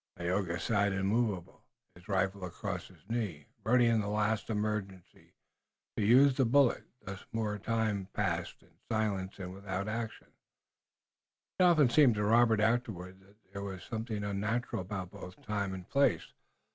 Tayoga sat immovable, his rifle across his knees, ready in the last emergency to use the bullet. Thus more time passed in silence and without action. It often seemed to Robert afterward that there was something unnatural about both time and place.